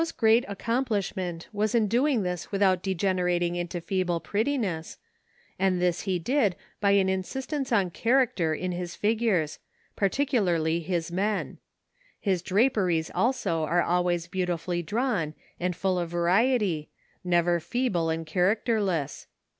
Photo Hanfstaengl] But Watteau's great accomplishment was in doing this without degenerating into feeble prettiness, and this he did by an insistence on character in his figures, particularly his men. His draperies also are always beautifully drawn and full of variety, never feeble and characterless.